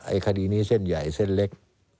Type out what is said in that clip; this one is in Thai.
คดีนี้เส้นใหญ่เส้นเล็ก